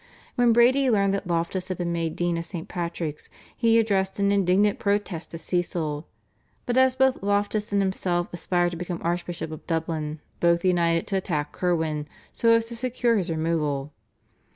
When Brady learned that Loftus had been made Dean of St. Patrick's he addressed an indignant protest to Cecil, but as both Loftus and himself aspired to become Archbishop of Dublin, both united to attack Curwen so as to secure his removal.